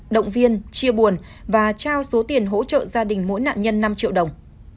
động viên chia buồn và trao số tiền hỗ trợ gia đình mỗi nạn nhân năm triệu đồng